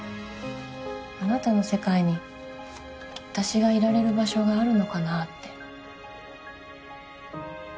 あなたの世界に私がいられる場所があるのかなって。